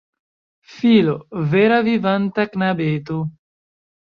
Filo! Vera vivanta knabeto!